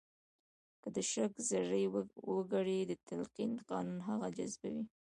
که د شک زړي وکرئ د تلقین قانون هغه جذبوي